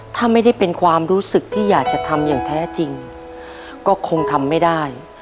ถ้าไม่ได้เป็นความรู้สึกที่อยากจะทำอย่างแท้จริงก็คงทำไม่ได้